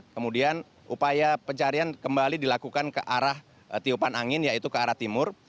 kemudian upaya pencarian kembali dilakukan ke arah tiupan angin yaitu ke arah timur